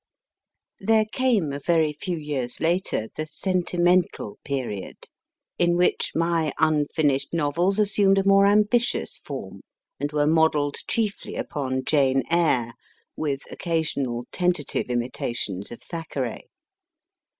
There came a very few years later the sentimental period, in which my unfinished novels assumed a more ambitious form, and were modelled chiefly upon Jane Eyre, with oc casional tentative imitations of Thackeray.